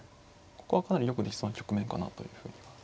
ここはかなりよくできそうな局面かなというふうには。